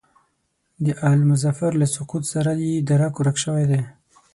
د آل مظفر له سقوط سره یې درک ورک شوی دی.